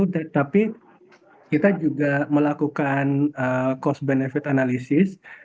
tetapi kita juga melakukan cost benefit analisis